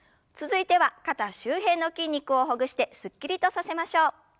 続いては肩周辺の筋肉をほぐしてすっきりとさせましょう。